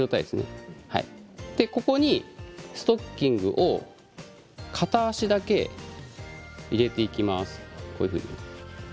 ここにストッキングを片足だけ入れていきます。